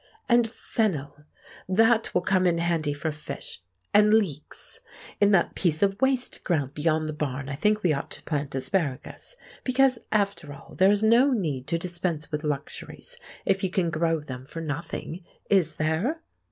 "And fennel—that will come in handy for fish—and leeks. In that piece of waste ground beyond the barn I think we ought to plant asparagus, because, after all, there is no need to dispense with luxuries if you can grow them for nothing, is there?